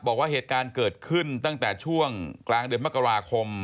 บอกว่าเหตุการณ์เกิดขึ้นตั้งแต่ช่วงกลางเดือนมกราคม